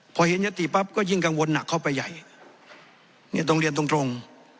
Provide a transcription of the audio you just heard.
พอเห็นยติปั๊บก็ยิ่งกังวลหนักเข้าไปใหญ่เนี่ยต้องเรียนตรงตรง